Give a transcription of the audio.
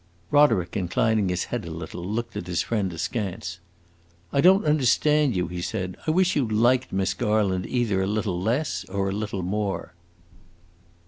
Roderick inclining his head a little, looked at his friend askance. "I don't understand you," he said; "I wish you liked Miss Garland either a little less, or a little more."